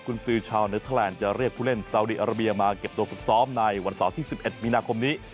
คุณซื้อชาวเน็ตเทอร์แลนด์จะเรียกผู้เล่นซาวดีอาราเบียมาเก็บตัวฝึกซ้อมในวันเสาร์ที่๑๑มีนาคมนี้